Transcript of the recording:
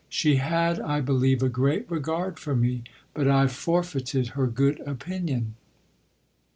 She had, I believe, a great regard for me, but I've forfeited her good opinion."